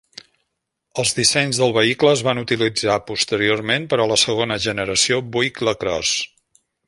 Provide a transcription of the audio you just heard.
Els dissenys del vehicle es van utilitzar posteriorment per a la segona generació Buick LaCrosse.